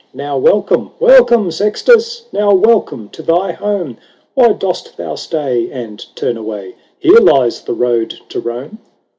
" Now welcome, welcome, Sextus ! Now welcome to thy home ! Why dost thou stay, and turn away ? Here lies the road to Rome."